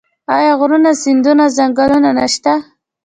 آیا غرونه سیندونه او ځنګلونه نشته؟